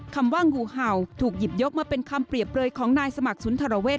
คำว่างูเห่าถูกหยิบยกมาเป็นคำเปรียบเปลยของนายสมัครสุนทรเวศ